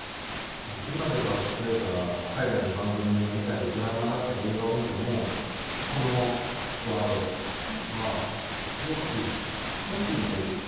今では例えば海外の番組を見たりドラマだったり映画を見てもこのワードはすごくポジティブな意味で出てくる。